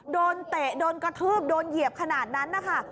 เตะโดนกระทืบโดนเหยียบขนาดนั้นนะคะ